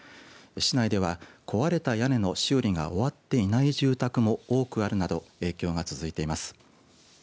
市内では壊れた屋根の修理が終わっていない住宅も多くあるなど影響が続いています。